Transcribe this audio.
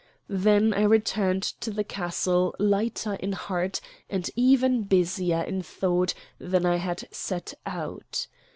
Then I returned to the castle lighter in heart and even busier in thought than I had set out.